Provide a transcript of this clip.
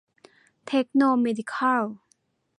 เทคโนเมดิคัล